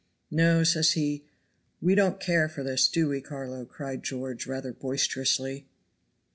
No, says he; we don't care for this, do we, Carlo?" cried George, rather boisterously.